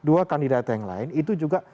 dua kandidat yang lain itu juga